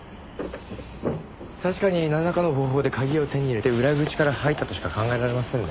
確かになんらかの方法で鍵を手に入れて裏口から入ったとしか考えられませんね。